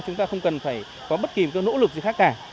chúng ta không cần phải có bất kỳ một nỗ lực gì khác cả